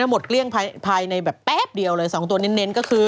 หมดเกลี้ยงภายในแบบแป๊บเดียวเลย๒ตัวเน้นก็คือ